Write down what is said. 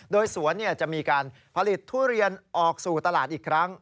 โดยสวนจะมีการผลิตทุเรียนออกสู่ตลาดอีกครั้ง